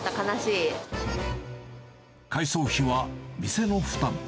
改装費は店の負担。